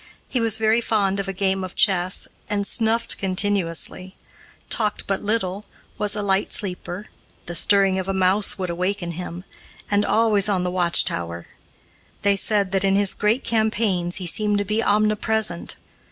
He was very fond of a game of chess, and snuffed continuously; talked but little, was a light sleeper, the stirring of a mouse would awaken him, and always on the watch tower. They said that, in his great campaigns, he seemed to be omnipresent.